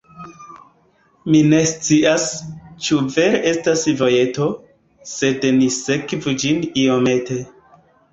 Mi ne scias, ĉu vere estas vojeto, sed ni sekvu ĝin iomete.